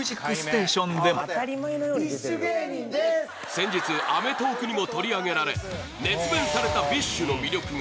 先日『アメトーーク』にも取り上げられ熱弁されたＢｉＳＨの魅力が。